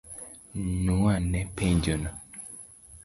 Nuo ane penjo no?